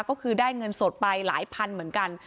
ก็คือได้เงินสดไปหลายพันเหมือนกัน